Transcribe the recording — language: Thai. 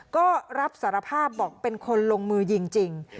ก็รับสารภาพบอกเป็นคนลงมือยิงจริง